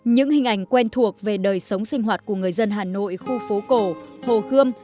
những hình ảnh quen thuộc về đời sống sinh hoạt của người dân hà nội khu phố cổ hồ khơ